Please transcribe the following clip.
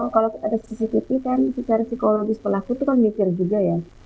kalau ada cctv kan secara psikologis pelaku itu kan mikir juga ya